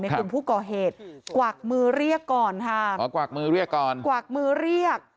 กลุ่มผู้ก่อเหตุกวักมือเรียกก่อนค่ะขอกวักมือเรียกก่อนกวักมือเรียก